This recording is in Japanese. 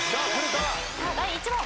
第１問。